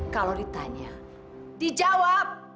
kalau ditanya dijawab